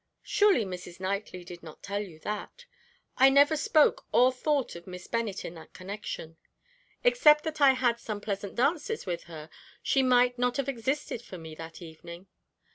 Surely Mrs. Knightley did not tell you that? I never spoke or thought of Miss Bennet in that connection. Except that I had some pleasant dances with her, she might not have existed for me that evening.